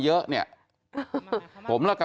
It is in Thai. อืม